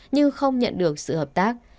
nhưng không nhận được sự hợp tác